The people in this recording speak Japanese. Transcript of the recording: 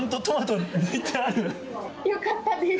よかったです。